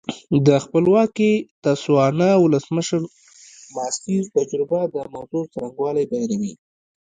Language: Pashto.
د خپلواکې تسوانا ولسمشر ماسیر تجربه د موضوع څرنګوالی بیانوي.